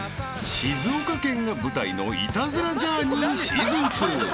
［静岡県が舞台の『イタズラ×ジャーニー』シーズン２］